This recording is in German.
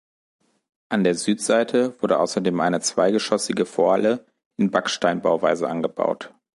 An der Südseite wurde außerdem eine zweigeschossige Vorhalle in Backsteinbauweise angebaut.